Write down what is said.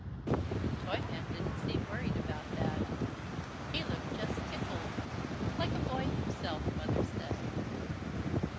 The Toyman didn't seem worried about that. He looked just "tickled," "like a boy himself," Mother said.